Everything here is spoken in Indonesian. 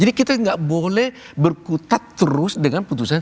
jadi kita enggak boleh berkutat terus dengan putusan itu